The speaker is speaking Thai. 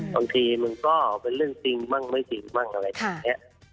บางทีมันก็เป็นเรื่องจริงมั่งไม่จริงมั่งอะไรแบบนี้